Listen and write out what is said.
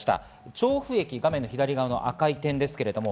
調布駅、画面左の赤い点です。